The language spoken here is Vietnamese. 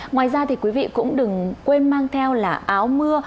ngoài ra thì quý vị cũng đừng quên mang theo là áo mưa